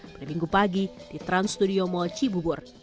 pada minggu pagi di trans studio mall cibubur